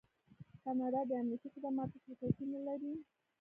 کاناډا د امنیتي خدماتو شرکتونه لري.